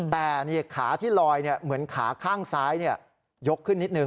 แต่ขาที่ลอยเหมือนขาข้างซ้ายยกขึ้นนิดนึ